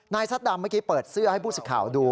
ซัดดำเมื่อกี้เปิดเสื้อให้ผู้สิทธิ์ข่าวดู